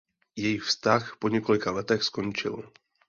Jejich vztah po několika letech skončil.